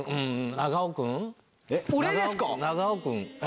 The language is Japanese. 長尾君。